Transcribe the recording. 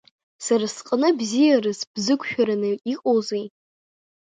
Сара сҟны бзиарас бзықәшәараны иҟоузеи?